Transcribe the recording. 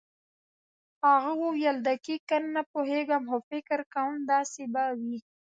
هغه وویل دقیقاً نه پوهېږم خو فکر کوم داسې به وي.